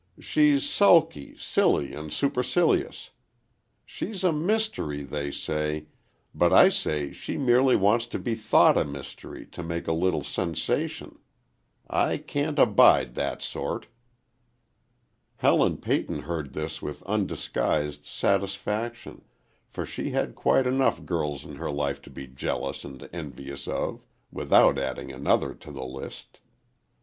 "She's sulky, silly and supercilious. She's a mystery, they say, but I say she merely wants to be thought a mystery to make a little sensation. I can't abide that sort." Helen Peyton heard this with undisguised satisfaction, for she had quite enough girls in her life to be jealous and envious of, without adding another to the list.